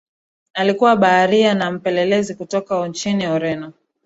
Alikuwa baharia na mpelelezi kutoka nchini Ureno